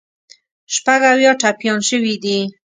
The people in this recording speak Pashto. شپږ اویا ټپیان شوي دي.